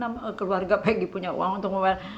dari mana keluarga peggy punya uang untuk ngobrol